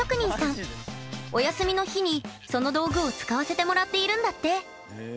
お休みの日にその道具を使わせてもらっているんだって！